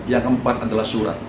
yang keempat adalah surat